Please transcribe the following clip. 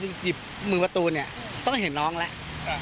หยิบมือประตูเนี่ยต้องเห็นน้องแล้ว